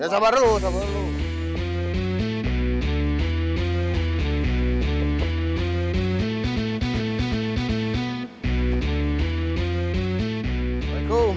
ya sabar dulu sabar dulu